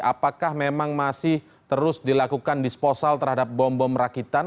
apakah memang masih terus dilakukan disposal terhadap bom bom rakitan